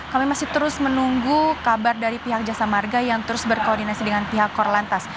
kami masih terus menunggu kabar dari pihak jasa marga yang terus berkoordinasi dengan pihak korlantas